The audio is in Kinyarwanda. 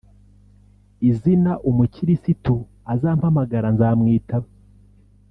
Izina umukirisitu azampamagara nzamwitaba